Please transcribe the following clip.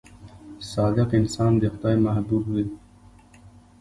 • صادق انسان د خدای محبوب وي.